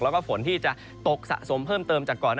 แล้วก็ฝนที่จะตกสะสมเพิ่มเติมจากก่อน